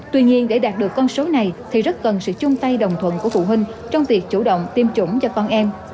tuy nhiên để đạt được con số này thì rất cần sự chung tay đồng thuận của phụ huynh trong việc chủ động tiêm chủng cho con em